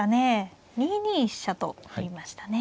２ニ飛車と振りましたね。